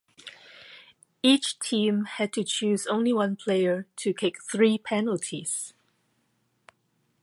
Each team had to choose only one player to kick three penalties.